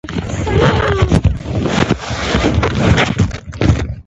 استاد د علم څراغ دی.